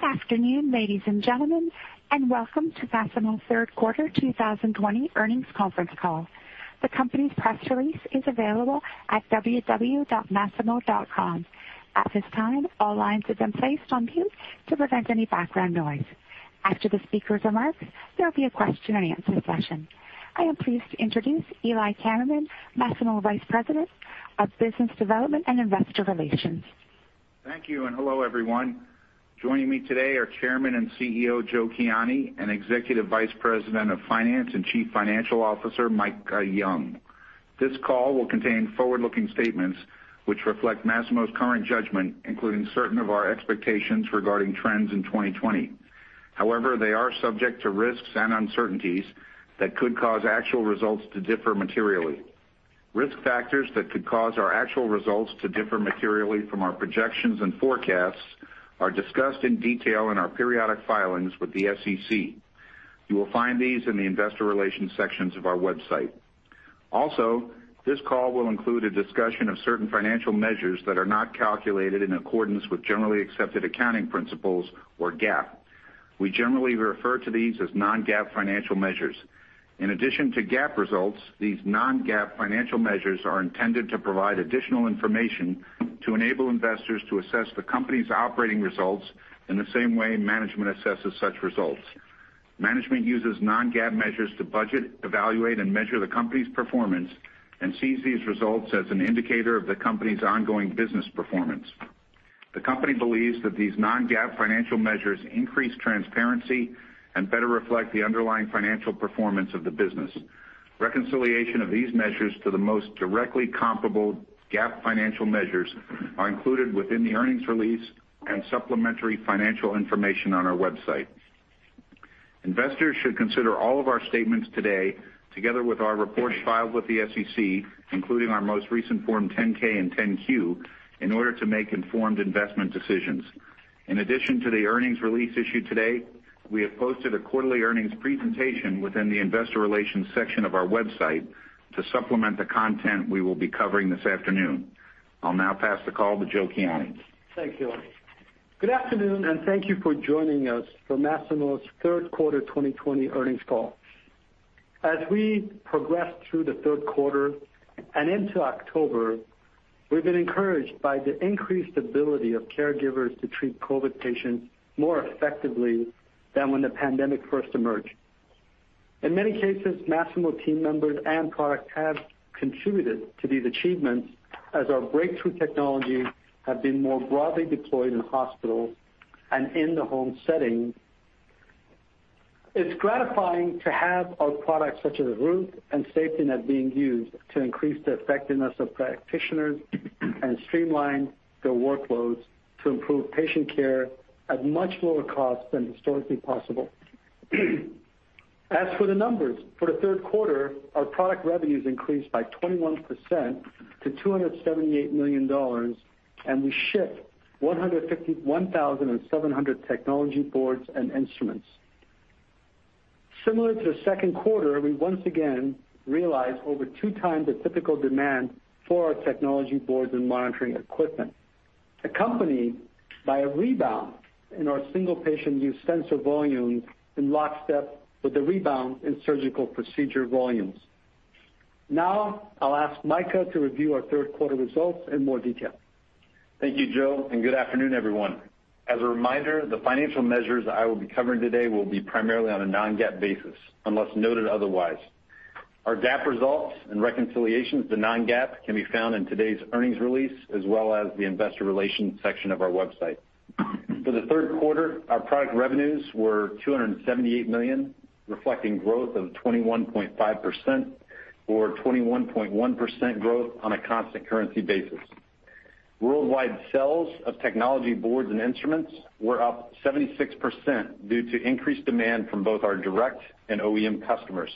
Good afternoon, ladies and gentlemen, and welcome to Masimo's third quarter 2020 earnings conference call. The company's press release is available at www.masimo.com. At this time, all lines have been placed on mute to prevent any background noise. After the speakers' remarks, there will be a question-and-answer session. I am pleased to introduce Eli Kammerman, Masimo Vice President of Business Development and Investor Relations. Thank you, and hello everyone. Joining me today are Chairman and CEO, Joe Kiani, and Executive Vice President of Finance and Chief Financial Officer, Micah Young. This call will contain forward-looking statements which reflect Masimo's current judgment, including certain of our expectations regarding trends in 2020. However, they are subject to risks and uncertainties that could cause actual results to differ materially. Risk factors that could cause our actual results to differ materially from our projections and forecasts are discussed in detail in our periodic filings with the SEC. You will find these in the investor relations sections of our website. Also, this call will include a discussion of certain financial measures that are not calculated in accordance with generally accepted accounting principles, or GAAP. We generally refer to these as non-GAAP financial measures. In addition to GAAP results, these non-GAAP financial measures are intended to provide additional information to enable investors to assess the company's operating results in the same way management assesses such results. Management uses non-GAAP measures to budget, evaluate, and measure the company's performance and sees these results as an indicator of the company's ongoing business performance. The company believes that these non-GAAP financial measures increase transparency and better reflect the underlying financial performance of the business. Reconciliation of these measures to the most directly comparable GAAP financial measures are included within the earnings release and supplementary financial information on our website. Investors should consider all of our statements today, together with our reports filed with the SEC, including our most recent Form 10-K and 10-Q, in order to make informed investment decisions. In addition to the earnings release issued today, we have posted a quarterly earnings presentation within the investor relations section of our website to supplement the content we will be covering this afternoon. I'll now pass the call to Joe Kiani. Thank you, Eli. Good afternoon, and thank you for joining us for Masimo's third quarter 2020 earnings call. As we progress through the third quarter and into October, we've been encouraged by the increased ability of caregivers to treat COVID patients more effectively than when the pandemic first emerged. In many cases, Masimo team members and products have contributed to these achievements as our breakthrough technologies have been more broadly deployed in hospitals and in-the-home settings. It's gratifying to have our products, such as Root and SafetyNet, being used to increase the effectiveness of practitioners and streamline their workloads to improve patient care at much lower cost than historically possible. As for the numbers, for the third quarter, our product revenues increased by 21% to $278 million. We shipped 151,700 technology boards and instruments. Similar to the second quarter, we once again realized over 2x the typical demand for our technology boards and monitoring equipment, accompanied by a rebound in our single-patient use sensor volumes in lockstep with the rebound in surgical procedure volumes. I'll ask Micah to review our third quarter results in more detail. Thank you, Joe, and good afternoon, everyone. As a reminder, the financial measures I will be covering today will be primarily on a non-GAAP basis, unless noted otherwise. Our GAAP results and reconciliations to non-GAAP can be found in today's earnings release, as well as the investor relations section of our website. For the third quarter, our product revenues were $278 million, reflecting growth of 21.5%, or 21.1% growth on a constant currency basis. Worldwide sales of technology boards and instruments were up 76% due to increased demand from both our direct and OEM customers.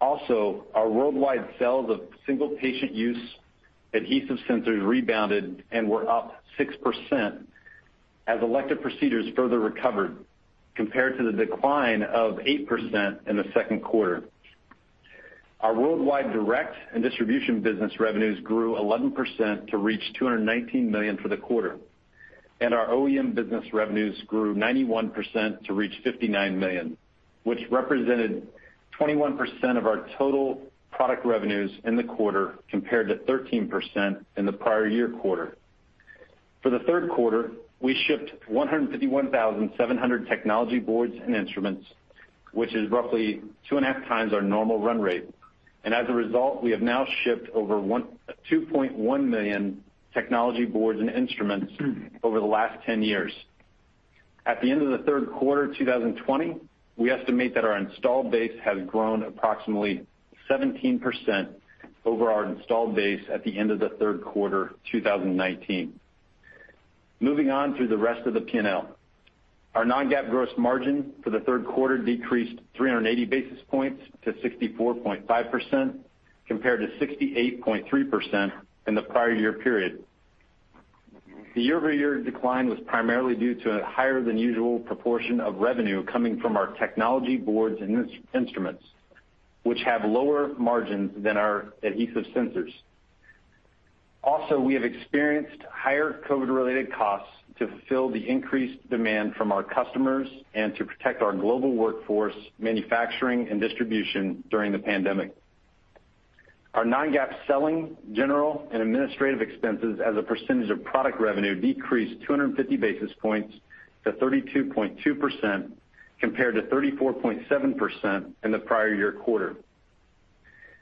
Also, our worldwide sales of single-patient use adhesive sensors rebounded and were up 6% as elective procedures further recovered, compared to the decline of 8% in the second quarter. Our worldwide direct and distribution business revenues grew 11% to reach $219 million for the quarter. Our OEM business revenues grew 91% to reach $59 million, which represented 21% of our total product revenues in the quarter, compared to 13% in the prior-year quarter. For the third quarter, we shipped 151,700 technology boards and instruments, which is roughly 2.5x our normal run rate. As a result, we have now shipped over 2.1 million technology boards and instruments over the last 10 years. At the end of the third quarter 2020, we estimate that our installed base has grown approximately 17% over our installed base at the end of the third quarter 2019. Moving on through the rest of the P&L. Our non-GAAP gross margin for the third quarter decreased 380 basis points to 64.5%, compared to 68.3% in the prior-year period. The year-over-year decline was primarily due to a higher than usual proportion of revenue coming from our technology boards and instruments, which have lower margins than our adhesive sensors. Also, we have experienced higher COVID-related costs to fulfill the increased demand from our customers and to protect our global workforce, manufacturing, and distribution during the pandemic. Our non-GAAP selling, general, and administrative expenses as a percentage of product revenue decreased 250 basis points to 32.2% compared to 34.7% in the prior year quarter.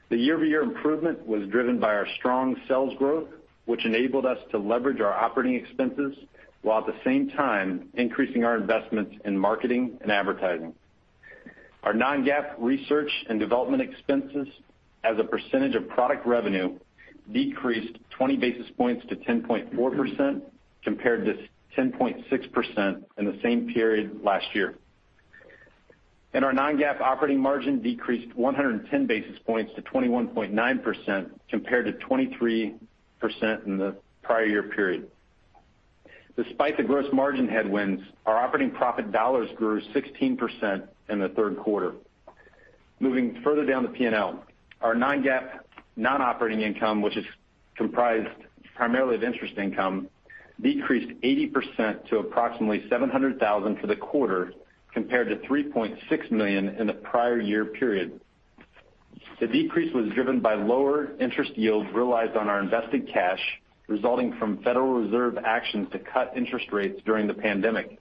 The year-over-year improvement was driven by our strong sales growth, which enabled us to leverage our operating expenses while at the same time increasing our investments in marketing and advertising. Our non-GAAP research and development expenses as a percentage of product revenue decreased 20 basis points to 10.4% compared to 10.6% in the same period last year. Our non-GAAP operating margin decreased 110 basis points to 21.9% compared to 23% in the prior year period. Despite the gross margin headwinds, our operating profit dollars grew 16% in the third quarter. Moving further down the P&L, our non-GAAP non-operating income, which is comprised primarily of interest income, decreased 80% to approximately $700,000 for the quarter compared to $3.6 million in the prior year period. The decrease was driven by lower interest yields realized on our invested cash, resulting from Federal Reserve actions to cut interest rates during the pandemic.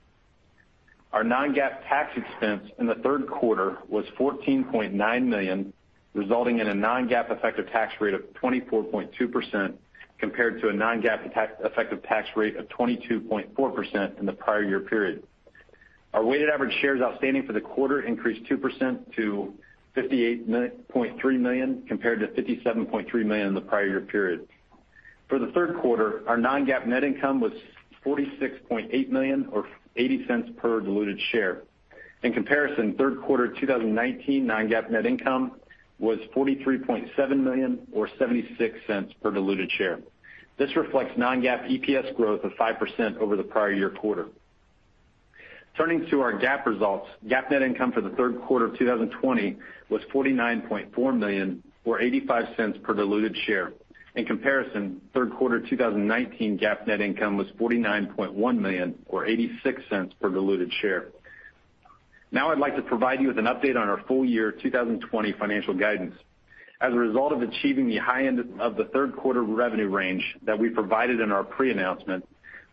Our non-GAAP tax expense in the third quarter was $14.9 million, resulting in a non-GAAP effective tax rate of 24.2% compared to a non-GAAP effective tax rate of 22.4% in the prior year period. Our weighted average shares outstanding for the quarter increased 2% to 58.3 million compared to 57.3 million in the prior year period. For the third quarter, our non-GAAP net income was $46.8 million or $0.80 per diluted share. In comparison, third quarter 2019 non-GAAP net income was $43.7 million or $0.76 per diluted share. This reflects non-GAAP EPS growth of 5% over the prior year quarter. Turning to our GAAP results, GAAP net income for the third quarter of 2020 was $49.4 million or $0.85 per diluted share. In comparison, third quarter 2019 GAAP net income was $49.1 million or $0.86 per diluted share. Now I'd like to provide you with an update on our full year 2020 financial guidance. As a result of achieving the high end of the third quarter revenue range that we provided in our pre-announcement,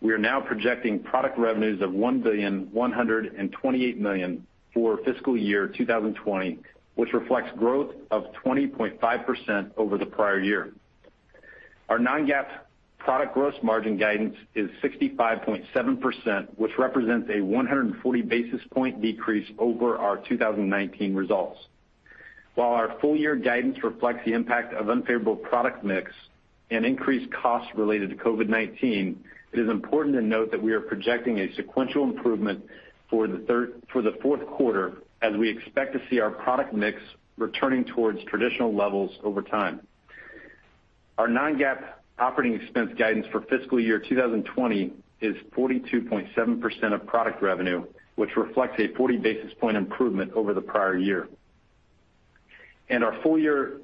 we are now projecting product revenues of $1,128,000,000 for fiscal year 2020, which reflects growth of 20.5% over the prior year. Our non-GAAP product gross margin guidance is 65.7%, which represents a 140 basis point decrease over our 2019 results. While our full year guidance reflects the impact of unfavorable product mix and increased costs related to COVID-19, it is important to note that we are projecting a sequential improvement for the fourth quarter as we expect to see our product mix returning towards traditional levels over time. Our non-GAAP operating expense guidance for fiscal year 2020 is 42.7% of product revenue, which reflects a 40 basis point improvement over the prior year. Our full year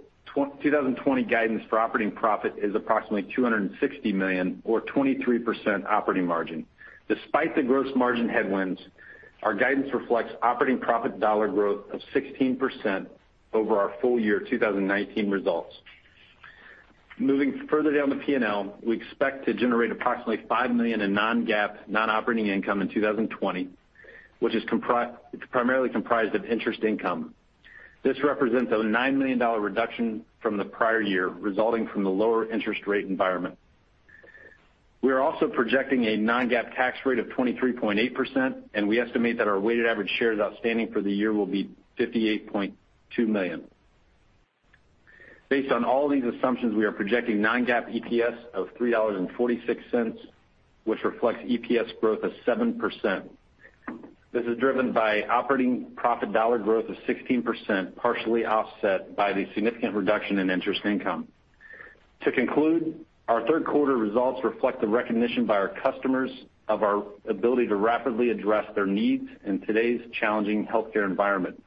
2020 guidance for operating profit is approximately $260 million or 23% operating margin. Despite the gross margin headwinds, our guidance reflects operating profit dollar growth of 16% over our full year 2019 results. Moving further down the P&L, we expect to generate approximately $5 million in non-GAAP non-operating income in 2020, which is primarily comprised of interest income. This represents a $9 million reduction from the prior year, resulting from the lower interest rate environment. We are also projecting a non-GAAP tax rate of 23.8%, and we estimate that our weighted average shares outstanding for the year will be 58.2 million. Based on all these assumptions, we are projecting non-GAAP EPS of $3.46, which reflects EPS growth of 7%. This is driven by operating profit dollar growth of 16%, partially offset by the significant reduction in interest income. To conclude, our third quarter results reflect the recognition by our customers of our ability to rapidly address their needs in today's challenging healthcare environment.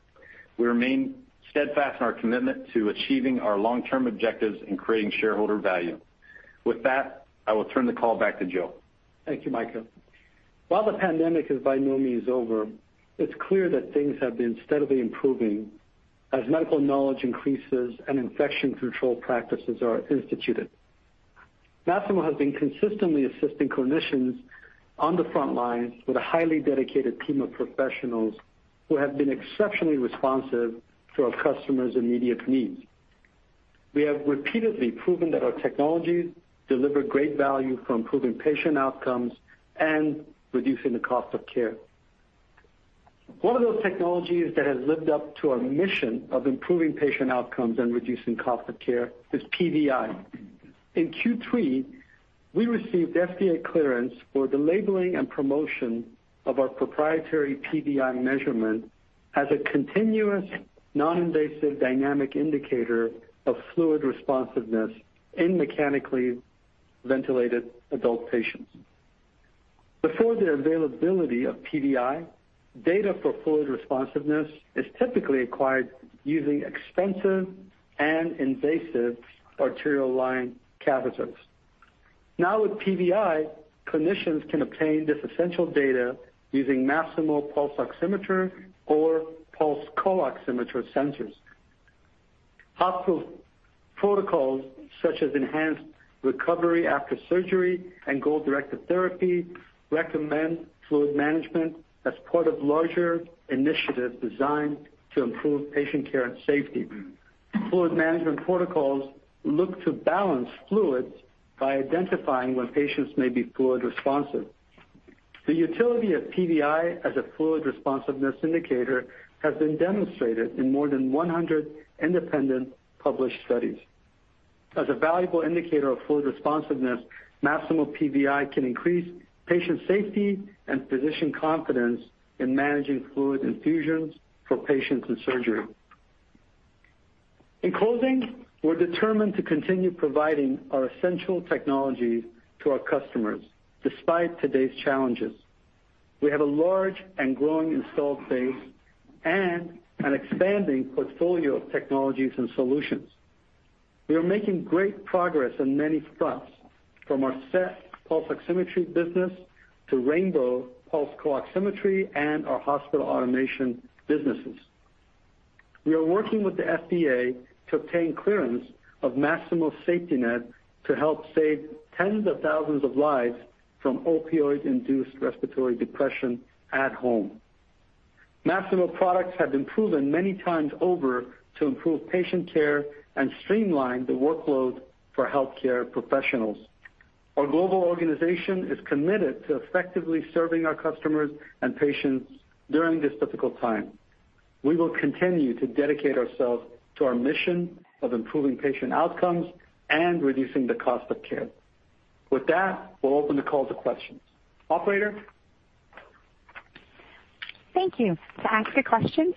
We remain steadfast in our commitment to achieving our long-term objectives in creating shareholder value. With that, I will turn the call back to Joe. Thank you, Micah. While the pandemic is by no means over, it's clear that things have been steadily improving as medical knowledge increases and infection control practices are instituted. Masimo has been consistently assisting clinicians on the front lines with a highly dedicated team of professionals who have been exceptionally responsive to our customers' immediate needs. We have repeatedly proven that our technologies deliver great value for improving patient outcomes and reducing the cost of care. One of those technologies that has lived up to our mission of improving patient outcomes and reducing cost of care is PVi. In Q3, we received FDA clearance for the labeling and promotion of our proprietary PVi measurement as a continuous, non-invasive dynamic indicator of fluid responsiveness in mechanically ventilated adult patients. Before the availability of PVi, data for fluid responsiveness is typically acquired using expensive and invasive arterial line catheters. Now with PVi, clinicians can obtain this essential data using Masimo pulse oximeter or Pulse CO-Oximeter sensors. Hospital protocols such as enhanced recovery after surgery and goal-directed therapy recommend fluid management as part of larger initiatives designed to improve patient care and safety. Fluid management protocols look to balance fluids by identifying when patients may be fluid responsive. The utility of PVi as a fluid responsiveness indicator has been demonstrated in more than 100 independent published studies. As a valuable indicator of fluid responsiveness, Masimo PVi can increase patient safety and physician confidence in managing fluid infusions for patients in surgery. In closing, we're determined to continue providing our essential technologies to our customers, despite today's challenges. We have a large and growing installed base and an expanding portfolio of technologies and solutions. We are making great progress in many fronts, from our SET pulse oximetry business to rainbow Pulse CO-Oximetry and our hospital automation businesses. We are working with the FDA to obtain clearance of Masimo SafetyNet to help save tens of thousands of lives from opioid-induced respiratory depression at home. Masimo products have been proven many times over to improve patient care and streamline the workload for healthcare professionals. Our global organization is committed to effectively serving our customers and patients during this difficult time. We will continue to dedicate ourselves to our mission of improving patient outcomes and reducing the cost of care. With that, we'll open the call to questions. Operator? Thank you. Your first question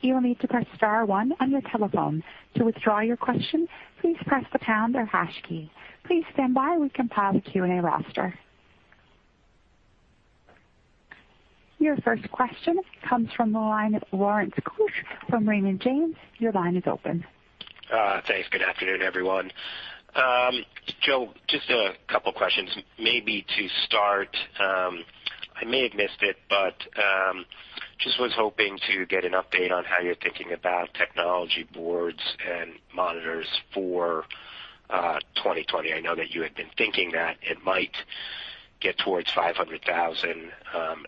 comes from the line of Lawrence Keusch from Raymond James. Your line is open. Thanks. Good afternoon, everyone. Joe, just a couple questions. Maybe to start, I may have missed it but just was hoping to get an update on how you're thinking about technology boards and monitors for 2020. I know that you had been thinking that it might get towards 500,000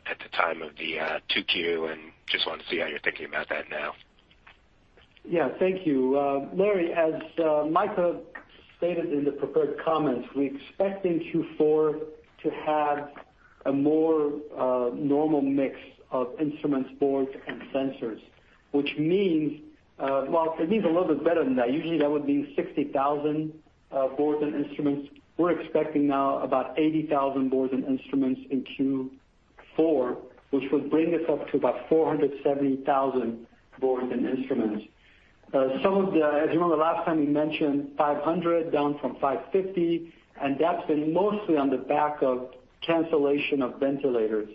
at the time of the 2Q, and just wanted to see how you're thinking about that now. Yeah. Thank you. Larry, as Micah stated in the prepared comments, we expect in Q4 to have a more normal mix of instruments, boards, and sensors, which means, well, it means a little bit better than that. Usually, that would mean 60,000 boards and instruments. We're expecting now about 80,000 boards and instruments in Q4, which would bring us up to about 470,000 boards and instruments. As you know, the last time we mentioned 500,000 down from 550,000, and that's been mostly on the back of cancellation of ventilators,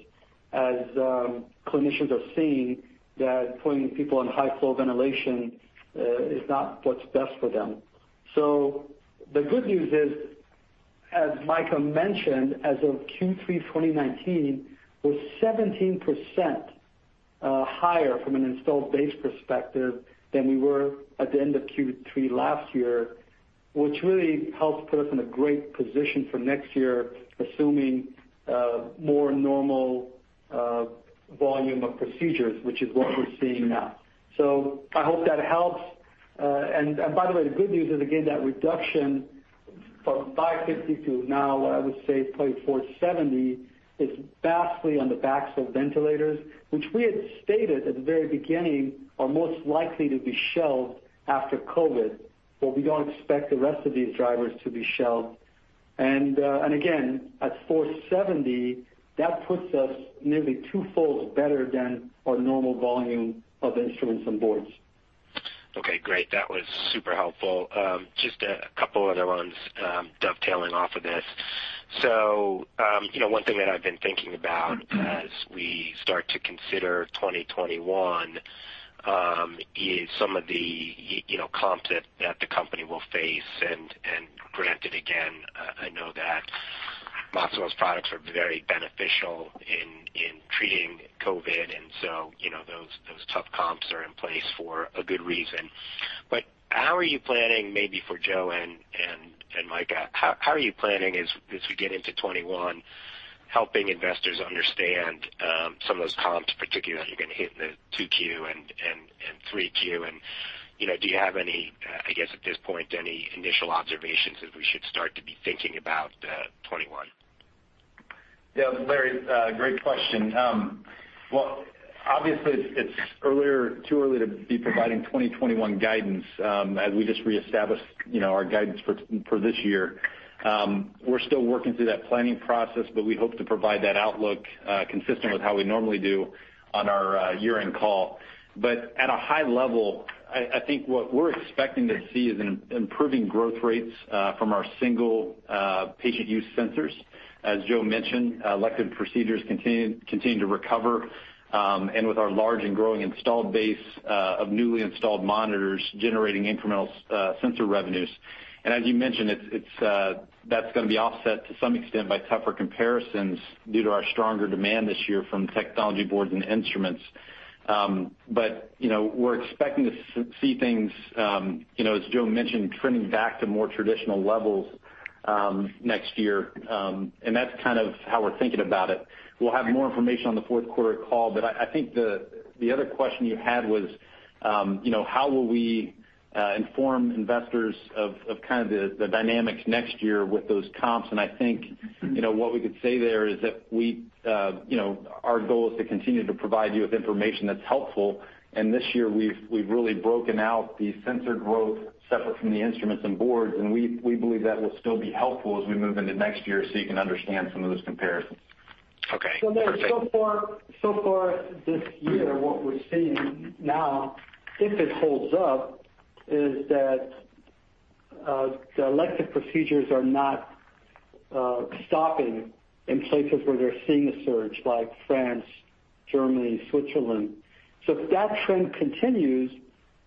as clinicians are seeing that putting people on high flow ventilation is not what's best for them. The good news is, as Micah mentioned, as of Q3 2019, we're 17% higher from an installed base perspective than we were at the end of Q3 last year, which really helps put us in a great position for next year, assuming a more normal volume of procedures, which is what we're seeing now. I hope that helps. By the way, the good news is, again, that reduction from 550,000 to now, what I would say probably 470,000, is vastly on the backs of ventilators, which we had stated at the very beginning are most likely to be shelved after COVID, but we don't expect the rest of these drivers to be shelved. Again, at 470,000, that puts us nearly two-fold better than our normal volume of instruments and boards. Okay, great. That was super helpful. Just a couple other ones dovetailing off of this. One thing that I've been thinking about as we start to consider 2021, is some of the comps that the company will face and, granted again, I know that Masimo's products are very beneficial in treating COVID, and so those tough comps are in place for a good reason. How are you planning, maybe for Joe and Micah, how are you planning, as we get into 2021, helping investors understand some of those comps, particularly how you're going to hit the 2Q and 3Q? Do you have any, I guess, at this point, any initial observations as we should start to be thinking about 2021? Yeah, Larry, great question. Well, obviously, it's too early to be providing 2021 guidance, as we just reestablished our guidance for this year. We're still working through that planning process, we hope to provide that outlook consistent with how we normally do on our year-end call. At a high level, I think what we're expecting to see is improving growth rates from our single patient use sensors. As Joe mentioned, elective procedures continue to recover, with our large and growing installed base of newly installed monitors generating incremental sensor revenues. As you mentioned, that's going to be offset to some extent by tougher comparisons due to our stronger demand this year from technology boards and instruments. We're expecting to see things, as Joe mentioned, trending back to more traditional levels next year, that's kind of how we're thinking about it. We'll have more information on the fourth quarter call, but I think the other question you had was, how will we inform investors of kind of the dynamics next year with those comps? I think, what we could say there is that our goal is to continue to provide you with information that's helpful. This year we've really broken out the sensor growth separate from the instruments and boards, and we believe that will still be helpful as we move into next year so you can understand some of those comparisons. Okay. Far this year, what we're seeing now, if it holds up, is that the elective procedures are not stopping in places where they're seeing a surge like France, Germany, Switzerland. If that trend continues,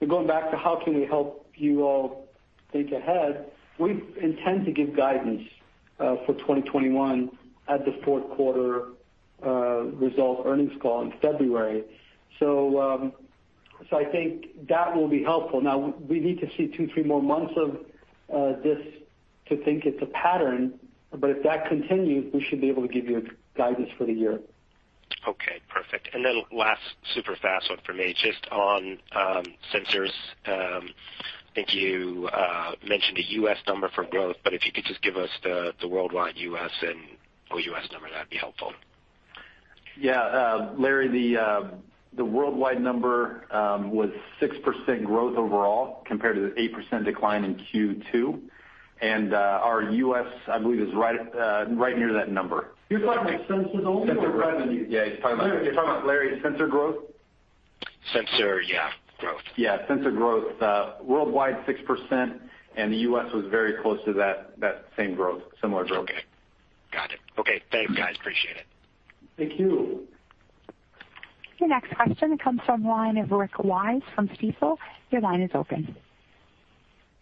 going back to how can we help you all think ahead, we intend to give guidance for 2021 at the fourth quarter results earnings call in February. I think that will be helpful. Now, we need to see two, three more months of this to think it's a pattern. If that continues, we should be able to give you guidance for the year. Okay, perfect. Last super fast one for me, just on sensors. I think you mentioned a U.S. number for growth, if you could just give us the worldwide, U.S., and/or U.S. number, that'd be helpful. Yeah. Larry, the worldwide number was 6% growth overall compared to the 8% decline in Q2. Our U.S., I believe, is right near that number. You're talking about sensors only or revenues? Yeah, he's talking about- You're talking about, Larry, sensor growth? Sensor, yeah, growth. Yeah, sensor growth, worldwide 6%. The U.S. was very close to that same growth, similar growth. Okay. Got it. Okay, thanks, guys. Appreciate it. Thank you. Your next question comes from the line of Rick Wise from Stifel. Your line is open.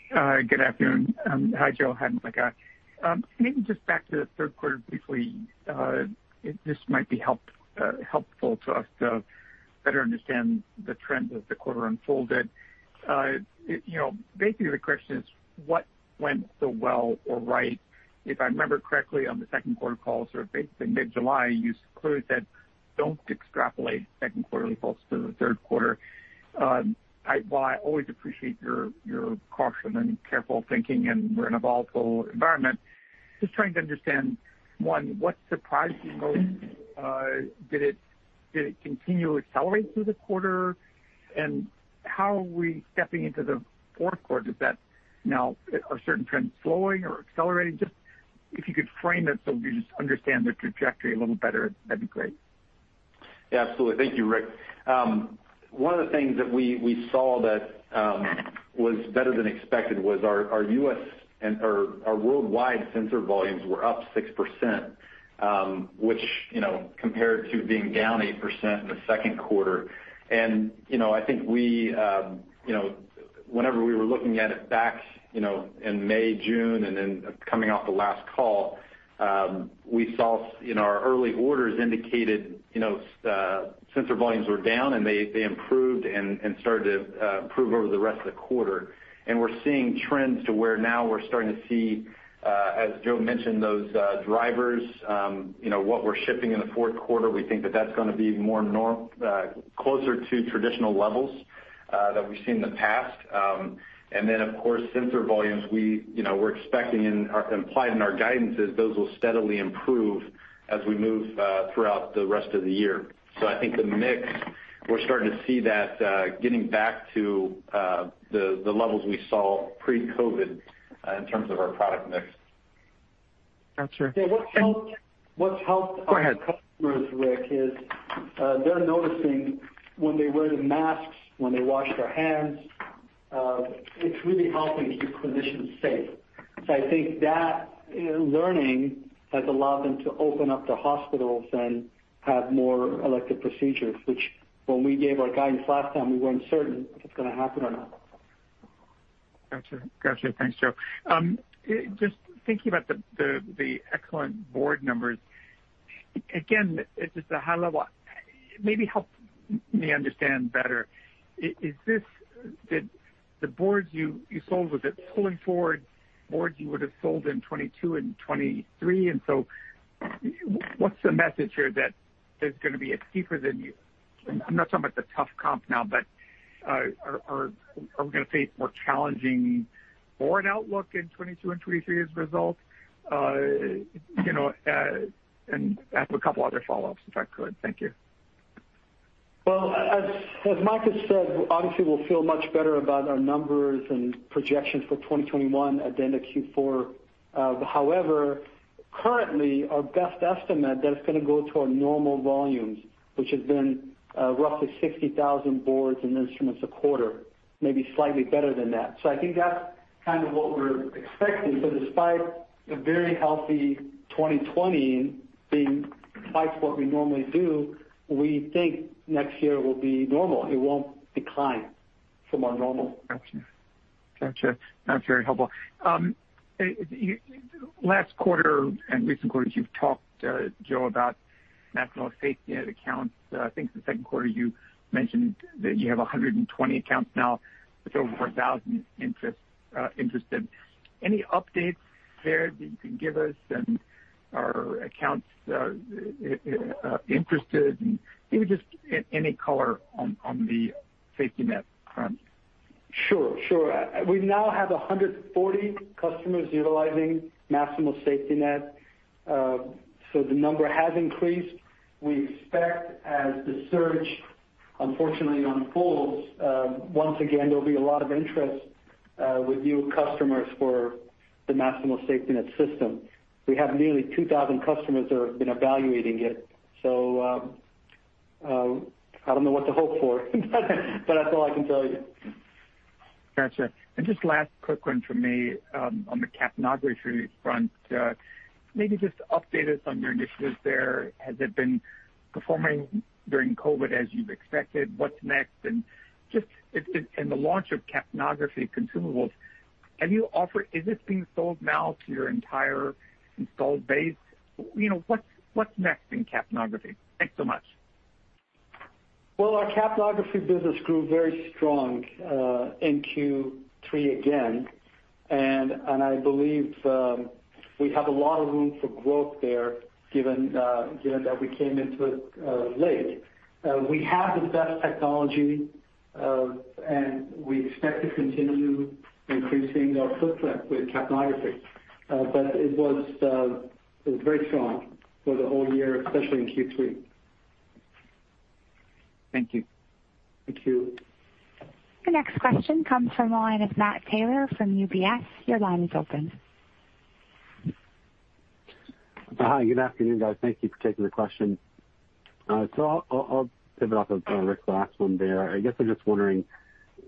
Good afternoon. Hi, Joe. Hi, Micah. Maybe just back to the third quarter briefly. This might be helpful to us to better understand the trend as the quarter unfolded. Basically the question is what went so well or right? If I remember correctly on the second quarter call, sort of basically mid-July, you clearly said, "Don't extrapolate second quarter results to the third quarter." While I always appreciate your caution and careful thinking, and we're in a volatile environment, just trying to understand, one, what surprised you most? Did it continue to accelerate through the quarter? How are we stepping into the fourth quarter? Are certain trends flowing or accelerating? Just if you could frame it so we just understand the trajectory a little better, that'd be great. Yeah, absolutely. Thank you, Rick. One of the things that we saw that was better than expected was our worldwide sensor volumes were up 6%, which compared to being down 8% in the second quarter. I think whenever we were looking at it back in May, June, and then coming off the last call, we saw in our early orders indicated sensor volumes were down, and they improved and started to improve over the rest of the quarter. We're seeing trends to where now we're starting to see, as Joe mentioned, those drivers. What we're shipping in the fourth quarter, we think that that's going to be closer to traditional levels that we've seen in the past. Of course, sensor volumes, we're expecting and are implied in our guidance is those will steadily improve as we move throughout the rest of the year. I think the mix, we're starting to see that getting back to the levels we saw pre-COVID in terms of our product mix. Gotcha. Yeah, what's helped– Go ahead. –our customers, Rick, is they're noticing when they wear the masks, when they wash their hands, it's really helping to keep physicians safe. I think that learning has allowed them to open up their hospitals and have more elective procedures, which when we gave our guidance last time, we weren't certain if it's going to happen or not. Got you. Thanks, Joe. Just thinking about the excellent board numbers. Again, maybe help me understand better. The boards you sold, was it pulling forward boards you would have sold in 2022 and 2023? What's the message here that there's going to be a steeper than I'm not talking about the tough comp now, but are we going to face more challenging board outlook in 2022 and 2023 as a result? I have a couple other follow-ups, if I could. Thank you. Well, as Micah has said, obviously, we'll feel much better about our numbers and projections for 2021 at the end of Q4. Currently, our best estimate that it's going to go to our normal volumes, which has been roughly 60,000 boards and instruments a quarter, maybe slightly better than that. I think that's kind of what we're expecting. Despite a very healthy 2020 being twice what we normally do, we think next year will be normal. It won't decline from our normal. Got you. That's very helpful. Last quarter and recent quarters, you've talked, Joe, about Masimo SafetyNet accounts. I think the second quarter you mentioned that you have 120 accounts now with over 4,000 interested. Any updates there that you can give us and are accounts interested? Maybe just any color on the SafetyNet front. Sure. We now have 140 customers utilizing Masimo SafetyNet. The number has increased. We expect as the surge, unfortunately, unfolds, once again, there'll be a lot of interest with new customers for the Masimo SafetyNet system. We have nearly 2,000 customers that have been evaluating it, so I don't know what to hope for, but that's all I can tell you. Got you. Just last quick one from me, on the capnography front, maybe just update us on your initiatives there. Has it been performing during COVID as you've expected? What's next? The launch of capnography consumables, is this being sold now to your entire installed base? What's next in capnography? Thanks so much. Well, our capnography business grew very strong in Q3 again, and I believe we have a lot of room for growth there given that we came into it late. We have the best technology, and we expect to continue increasing our footprint with capnography. It was very strong for the whole year, especially in Q3. Thank you. Thank you. The next question comes from the line of Matt Taylor from UBS. Your line is open. Hi. Good afternoon, guys. Thank you for taking the question. I'll pivot off of Rick's last one there. I guess I'm just wondering,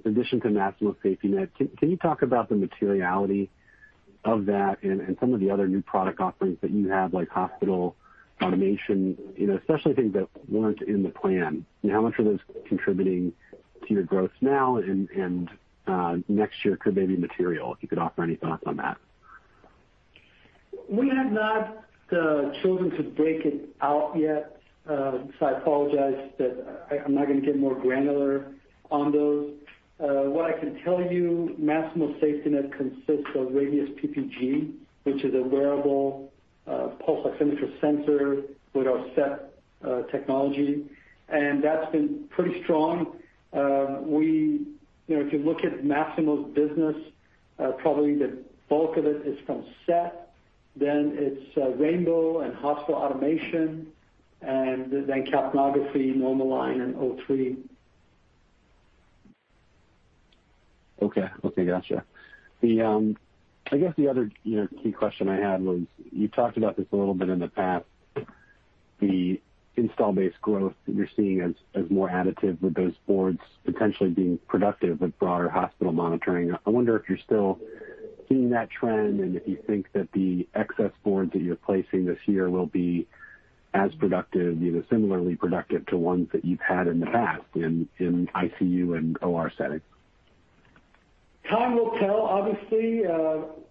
in addition to Masimo SafetyNet, can you talk about the materiality of that and some of the other new product offerings that you have, like hospital automation, especially things that weren't in the plan? How much are those contributing to your growth now and next year could they be material? If you could offer any thoughts on that. We have not chosen to break it out yet, so I apologize that I'm not going to get more granular on those. What I can tell you, Masimo SafetyNet consists of Radius PPG, which is a wearable pulse oximeter sensor with our SET technology, and that's been pretty strong. If you look at Masimo's business, probably the bulk of it is from SET, then it's rainbow and hospital automation, and then capnography with NomoLine, and O3. Okay. Got you. I guess the other key question I had was, you talked about this a little bit in the past, the installed base growth that you're seeing as more additive with those boards potentially being productive with broader hospital monitoring. I wonder if you're still seeing that trend and if you think that the excess boards that you're placing this year will be as productive, similarly productive to ones that you've had in the past in ICU and OR settings. Time will tell, obviously.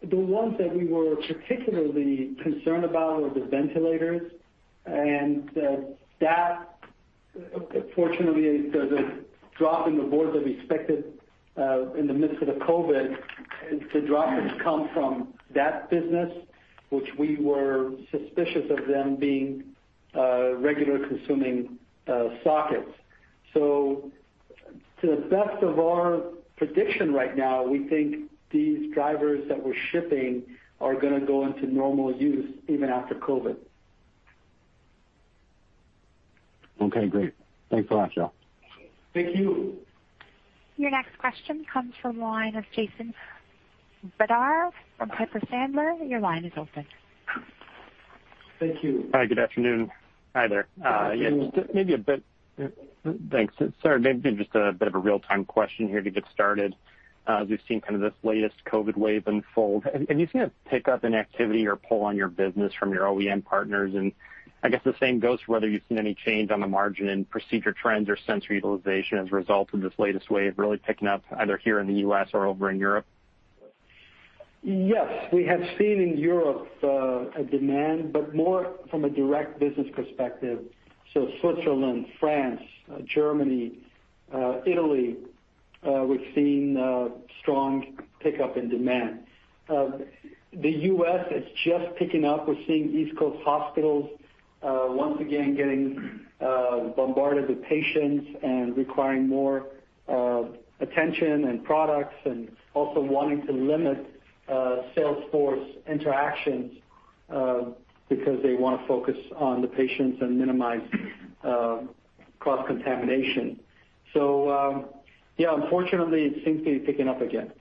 The ones that we were particularly concerned about were the ventilators, and that, fortunately, the drop in the boards that we expected in the midst of the COVID, the drop has come from that business, which we were suspicious of them being regular consuming sockets. To the best of our prediction right now, we think these drivers that we're shipping are going to go into normal use even after COVID. Okay, great. Thanks a lot, Joe. Thank you. Your next question comes from the line of Jason Bednar from Piper Sandler. Your line is open. Thank you. Hi, good afternoon. Hi there. Thanks. Sorry, maybe just a bit of a real-time question here to get started. As we've seen kind of this latest COVID wave unfold, have you seen a pickup in activity or pull on your business from your OEM partners? I guess the same goes for whether you've seen any change on the margin in procedure trends or sensor utilization as a result of this latest wave really picking up either here in the U.S. or over in Europe? Yes. We have seen in Europe a demand, but more from a direct business perspective. Switzerland, France, Germany, Italy, we've seen a strong pickup in demand. The U.S., it's just picking up. We're seeing East Coast hospitals once again getting bombarded with patients and requiring more attention and products and also wanting to limit sales force interactions because they want to focus on the patients and minimize cross-contamination. Yeah, unfortunately, it seems to be picking up again.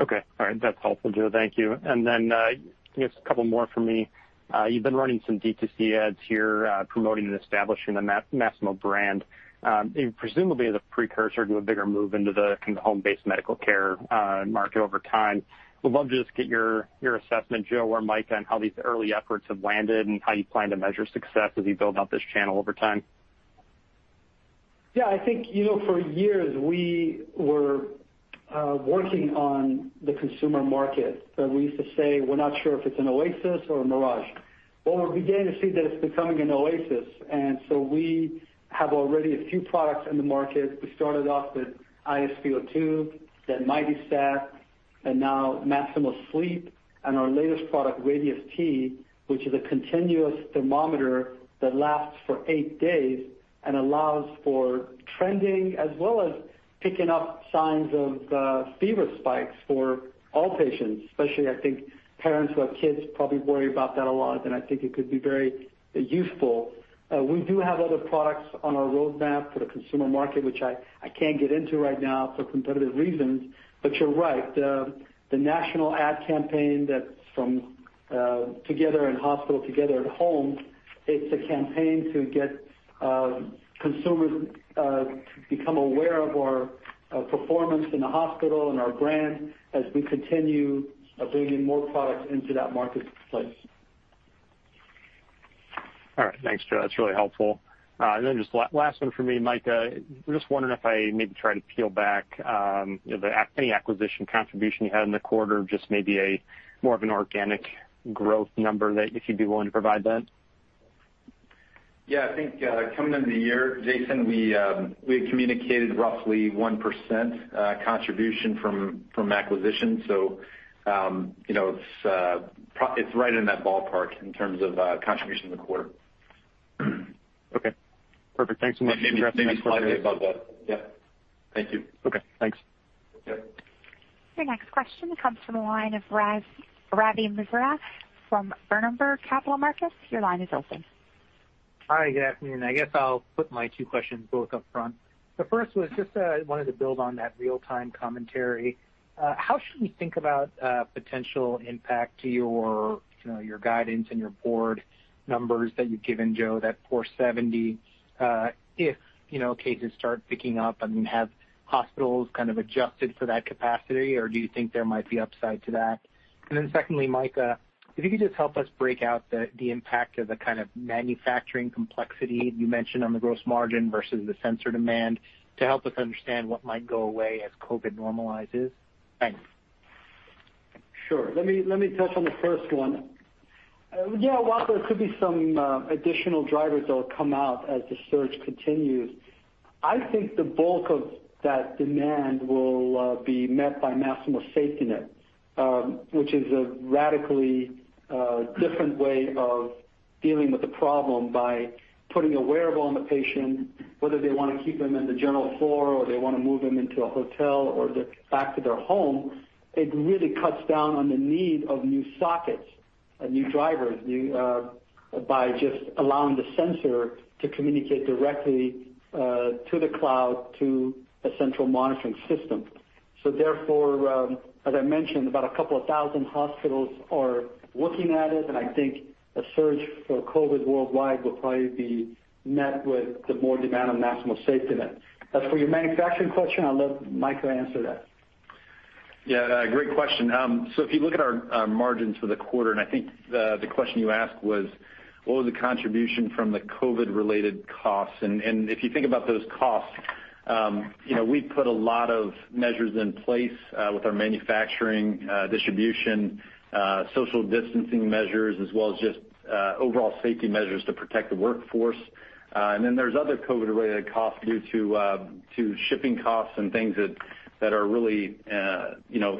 Okay. All right. That's helpful, Joe. Thank you. Then, I guess a couple more from me. You've been running some D2C ads here, promoting and establishing the Masimo brand, presumably as a precursor to a bigger move into the kind of home-based medical care market over time. Would love to just get your assessment, Joe or Micah, on how these early efforts have landed and how you plan to measure success as you build out this channel over time. Yeah, I think, for years, we were working on the consumer market. We used to say, "We're not sure if it's an oasis or a mirage." Well, we're beginning to see that it's becoming an oasis, and so we have already a few products in the market. We started off with iSpO2, then MightySat, and now Masimo Sleep, and our latest product, Radius Tº, which is a continuous thermometer that lasts for eight days and allows for trending as well as picking up signs of fever spikes for all patients. Especially, I think, parents who have kids probably worry about that a lot, and I think it could be very useful. We do have other products on our roadmap for the consumer market, which I can't get into right now for competitive reasons. You're right. The national ad campaign that's from Together in Hospital, Together at Home, it's a campaign to get consumers to become aware of our performance in the hospital and our brand as we continue bringing more products into that marketplace. All right. Thanks, Joe. That's really helpful. Then just last one from me, Micah. I'm just wondering if I maybe try to peel back any acquisition contribution you had in the quarter, just maybe more of an organic growth number that if you'd be willing to provide that. Yeah, I think, coming into the year, Jason, we had communicated roughly 1% contribution from acquisition. It's right in that ballpark in terms of contribution in the quarter. Okay, perfect. Thanks so much. Maybe slightly above that. Yep. Thank you. Okay, thanks. Yep. Your next question comes from the line of Ravi Misra from Berenberg Capital Markets. Your line is open. Hi, good afternoon. I guess I'll put my two questions both up front. The first was just I wanted to build on that real-time commentary. How should we think about potential impact to your guidance and your board numbers that you've given, Joe, that 470,000, if cases start picking up? I mean, have hospitals kind of adjusted for that capacity, or do you think there might be upside to that? Secondly, Micah, if you could just help us break out the impact of the kind of manufacturing complexity you mentioned on the gross margin versus the sensor demand to help us understand what might go away as COVID normalizes. Thanks. Sure. Let me touch on the first one. Yeah, while there could be some additional drivers that will come out as the surge continues, I think the bulk of that demand will be met by Masimo SafetyNet, which is a radically different way of dealing with the problem by putting a wearable on the patient, whether they want to keep them in the general floor or they want to move them into a hotel or back to their home. It really cuts down on the need of new sockets and new drivers, by just allowing the sensor to communicate directly to the cloud to a central monitoring system. Therefore, as I mentioned, about a couple of thousand hospitals are looking at it, and I think a surge for COVID worldwide will probably be met with the more demand on Masimo SafetyNet. As for your manufacturing question, I'll let Micah answer that. Yeah. Great question. If you look at our margins for the quarter, and I think the question you asked was, what was the contribution from the COVID-related costs? If you think about those costs, we put a lot of measures in place with our manufacturing, distribution, social distancing measures, as well as just overall safety measures to protect the workforce. There's other COVID-related costs due to shipping costs and things that are really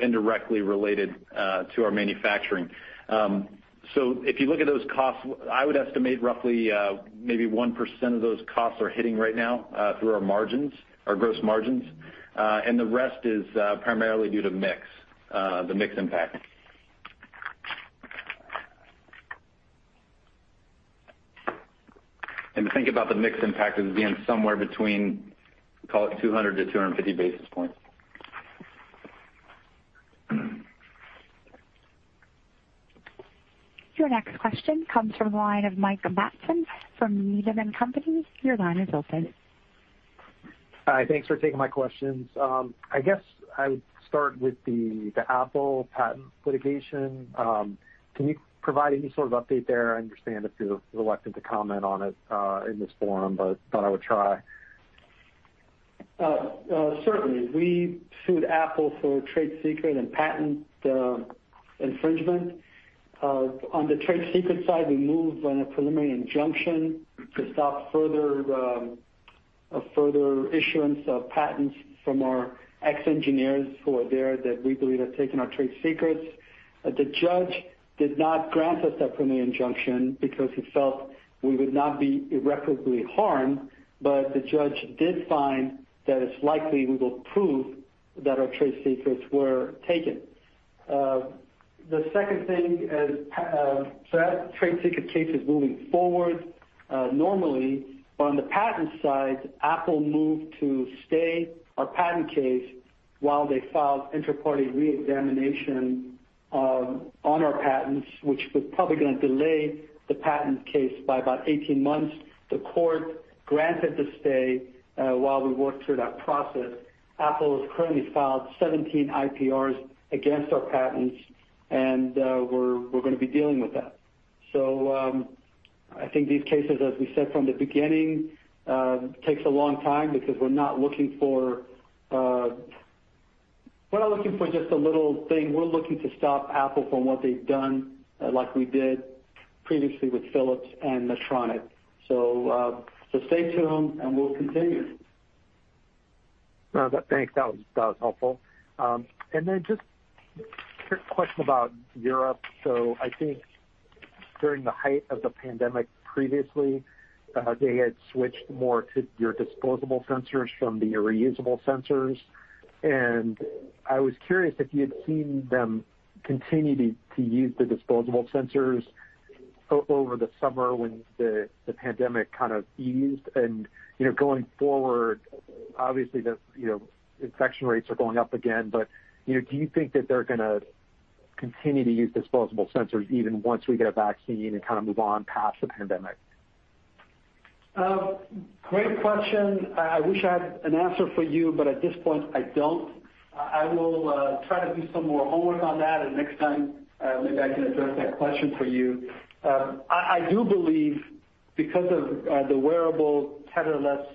indirectly related to our manufacturing. If you look at those costs, I would estimate roughly maybe 1% of those costs are hitting right now through our margins, our gross margins. The rest is primarily due to mix, the mix impact. To think about the mix impact as being somewhere between, call it 200 to 250 basis points. Your next question comes from the line of Mike Matson from Needham & Company. Your line is open. Hi, thanks for taking my questions. I guess I would start with the Apple patent litigation. Can you provide any sort of update there? I understand if you're reluctant to comment on it in this forum but thought I would try. Certainly. We sued Apple for trade secret and patent infringement. On the trade secret side, we moved on a preliminary injunction to stop further issuance of patents from our ex-engineers who are there that we believe have taken our trade secrets. The judge did not grant us that preliminary injunction because he felt we would not be irreparably harmed, but the judge did find that it's likely we will prove that our trade secrets were taken. The second thing is trade secret case is moving forward normally. On the patent side, Apple moved to stay our patent case while they filed inter partes reexamination on our patents, which was probably going to delay the patent case by about 18 months. The court granted the stay while we work through that process. Apple has currently filed 17 IPRs against our patents. We're going to be dealing with that. I think these cases, as we said from the beginning, takes a long time because we're not looking for just a little thing. We're looking to stop Apple from what they've done, like we did previously with Philips and Medtronic. Stay tuned and we'll continue. Thanks. That was helpful. Just a quick question about Europe. I think during the height of the pandemic previously, they had switched more to your disposable sensors from the reusable sensors. I was curious if you had seen them continue to use the disposable sensors over the summer when the pandemic kind of eased and going forward, obviously, the infection rates are going up again, but do you think that they're going to continue to use disposable sensors even once we get a vaccine and kind of move on past the pandemic? Great question. I wish I had an answer for you, but at this point I don't. I will try to do some more homework on that, and next time maybe I can address that question for you. I do believe because of the wearable catheterless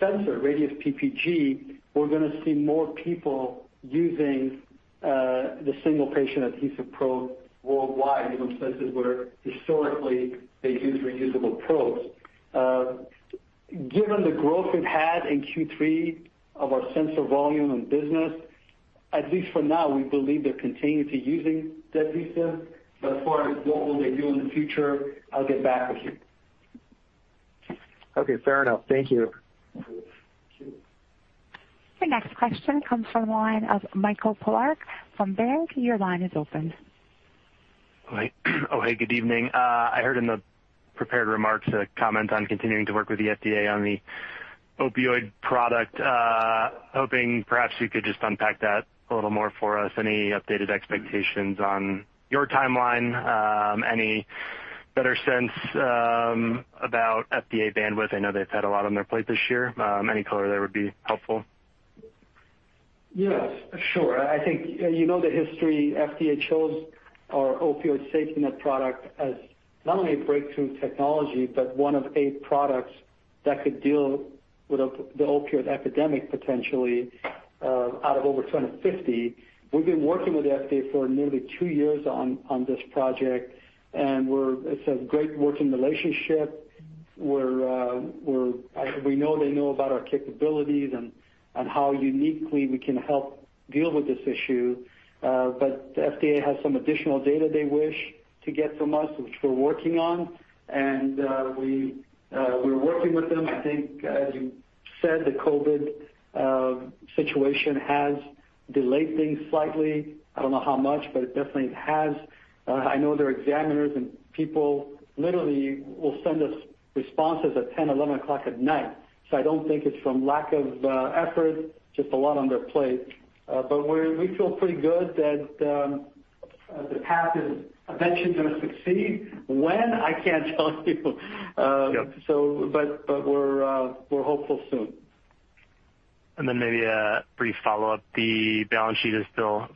sensor, Radius PPG, we're going to see more people using the single-patient adhesive probe worldwide, even places where historically they used reusable probes. Given the growth we've had in Q3 of our sensor volume and business, at least for now, we believe they're continuing to using that adhesive. As far as what will they do in the future, I'll get back with you. Okay, fair enough. Thank you. Your next question comes from the line of Michael Polark from Baird. Your line is open. Oh, hey. Good evening. I heard in the prepared remarks a comment on continuing to work with the FDA on the opioid product. Hoping perhaps you could just unpack that a little more for us. Any updated expectations on your timeline? Any better sense about FDA bandwidth? I know they've had a lot on their plate this year. Any color there would be helpful. Yes, sure. You know the history. FDA chose our opioid SafetyNet product as not only a breakthrough technology, but one of eight products that could deal with the opioid epidemic, potentially, out of over 250. We've been working with the FDA for nearly two years on this project, and it's a great working relationship, where we know they know about our capabilities and how uniquely we can help deal with this issue. The FDA has some additional data they wish to get from us, which we're working on, and we're working with them. I think, as you said, the COVID situation has delayed things slightly. I don't know how much, but it definitely has. I know their examiners and people literally will send us responses at 10:00 or 11:00 P.M. I don't think it's from lack of effort, just a lot on their plate. We feel pretty good that the path is eventually going to succeed. When? I can't tell you. Yep. We're hopeful soon. Then maybe a brief follow-up. The balance sheet is still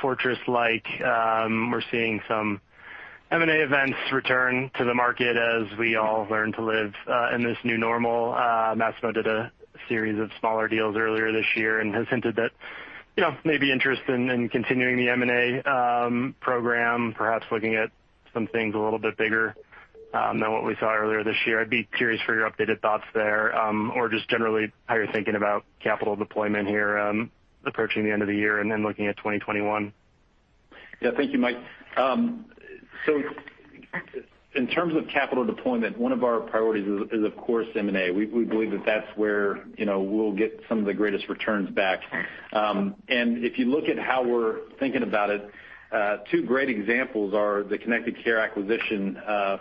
fortress-like. We're seeing some M&A events return to the market as we all learn to live in this new normal. Masimo did a series of smaller deals earlier this year and has hinted that maybe interest in continuing the M&A program, perhaps looking at some things a little bit bigger than what we saw earlier this year. I'd be curious for your updated thoughts there, or just generally how you're thinking about capital deployment here approaching the end of the year and then looking at 2021. Yeah. Thank you, Mike. In terms of capital deployment, one of our priorities is, of course, M&A. We believe that that's where we'll get some of the greatest returns back. If you look at how we're thinking about it, two great examples are the Connected Care acquisition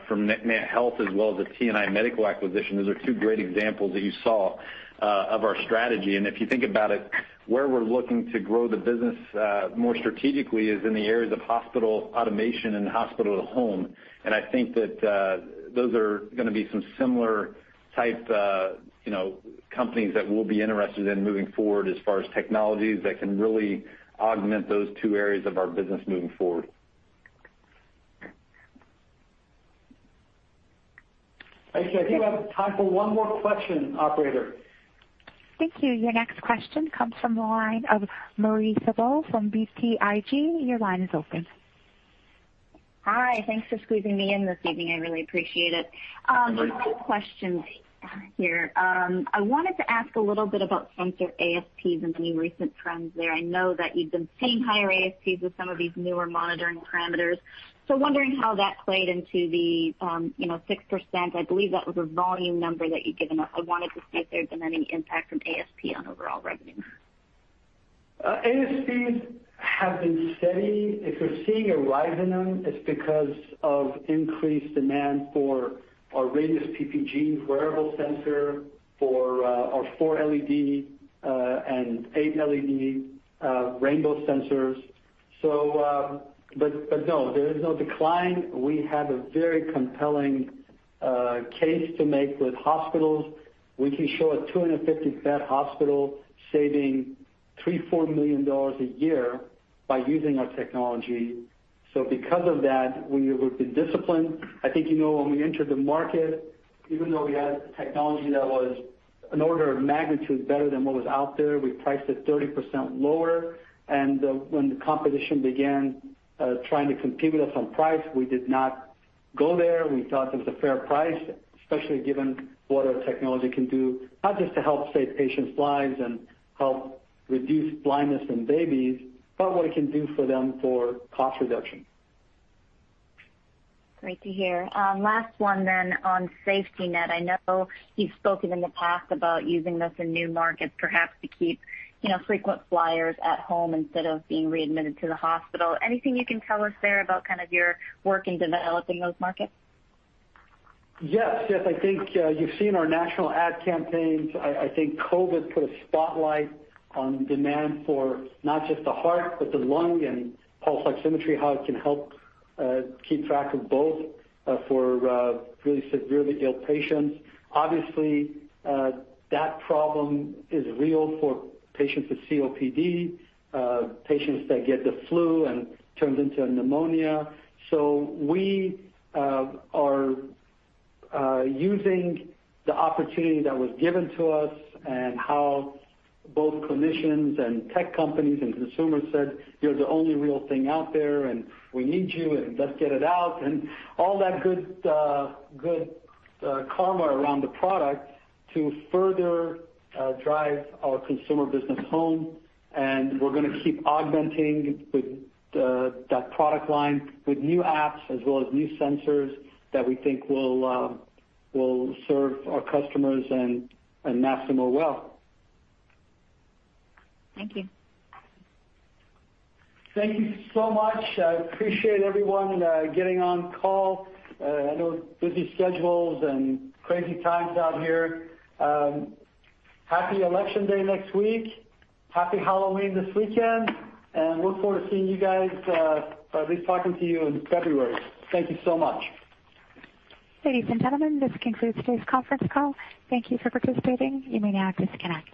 from NantHealth as well as the TNI medical acquisition. Those are two great examples that you saw of our strategy. If you think about it, where we're looking to grow the business more strategically is in the areas of hospital automation and hospital at home. I think that those are going to be some similar type companies that we'll be interested in moving forward as far as technologies that can really augment those two areas of our business moving forward. I think I have time for one more question, operator. Thank you. Your next question comes from the line of Marie Thibault from BTIG. Your line is open. Hi. Thanks for squeezing me in this evening. I really appreciate it. Of course. Two questions here. I wanted to ask a little bit about sensor ASPs and any recent trends there. I know that you've been seeing higher ASPs with some of these newer monitoring parameters. Wondering how that played into the 6%. I believe that was a volume number that you'd given us. I wanted to see if there had been any impact from ASP on overall revenue. ASPs have been steady. If you're seeing a rise in them, it's because of increased demand for our Radius PPG wearable sensor for our four LED and eight LED rainbow sensors. No, there is no decline. We have a very compelling case to make with hospitals. We can show a 250-bed hospital saving $3 million, $4 million a year by using our technology. Because of that, we have been disciplined. I think you know when we entered the market, even though we had technology that was an order of magnitude better than what was out there, we priced it 30% lower, and when the competition began trying to compete with us on price, we did not go there. We thought it was a fair price, especially given what our technology can do. Not just to help save patients' lives and help reduce blindness in babies, but what it can do for them for cost reduction. Great to hear. Last one then on SafetyNet. I know you've spoken in the past about using this in new markets, perhaps to keep frequent flyers at home instead of being readmitted to the hospital. Anything you can tell us there about kind of your work in developing those markets? Yes. I think you've seen our national ad campaigns. I think COVID put a spotlight on demand for not just the heart, but the lung and pulse oximetry, how it can help keep track of both for really severely ill patients. Obviously, that problem is real for patients with COPD, patients that get the flu and turns into a pneumonia. We are using the opportunity that was given to us and how both clinicians and tech companies and consumers said, "You're the only real thing out there, and we need you, and let's get it out," and all that good karma around the product to further drive our consumer business home. We're going to keep augmenting that product line with new apps as well as new sensors that we think will serve our customers and Masimo well. Thank you. Thank you so much. I appreciate everyone getting on call. I know busy schedules and crazy times out here. Happy Election Day next week. Happy Halloween this weekend, and look forward to seeing you guys, or at least talking to you in February. Thank you so much. Ladies and gentlemen, this concludes today's conference call. Thank you for participating. You may now disconnect.